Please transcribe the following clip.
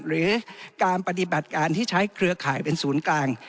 หรือการปฏิบัติการที่ใช้เครือข่ายเป็นศูนย์กลาง